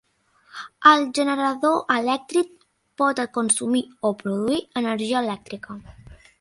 El generador elèctric pot consumir o produir energia elèctrica.